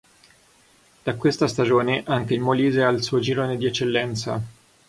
Da questa stagione, anche il Molise ha il suo girone di Eccellenza.